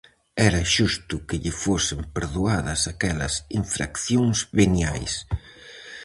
Era xusto que lle fosen perdoadas aquelas infraccións veniais.